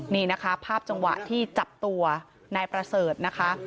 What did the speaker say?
นี่นะคะภาพจังหวะที่จับตัวนายประเสริฐนะคะ